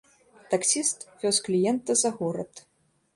Таксіст вёз кліента за горад.